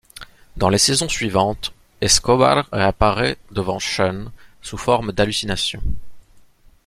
Dans les saisons suivantes, Escobar réapparaît devant Sean, sous forme d'hallucination.